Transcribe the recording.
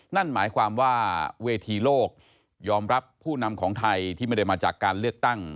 นั่นหมายความว่าเวทีโลกยอมรับผู้นำของไทยที่ไม่ได้มาจากการเลือกตั้ง